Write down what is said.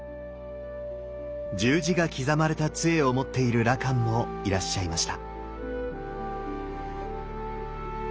十字が刻まれた杖を持っている羅漢もいらっしゃいました。